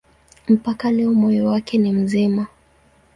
Mpaka leo moyo wake ni mzima.